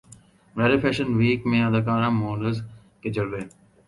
bridal fashion week میں اداکاراں models کے جلوے